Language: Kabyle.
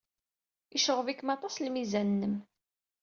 Yecɣeb-ikem aṭas lmizan-nnem.